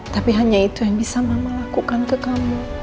tapi hanya itu yang bisa mama lakukan ke kamu